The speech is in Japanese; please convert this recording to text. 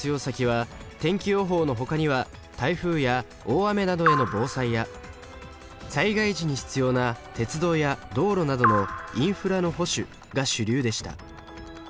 先は天気予報のほかには台風や大雨などへの防災や災害時に必要な鉄道や道路などのインフラの保守が主流でした。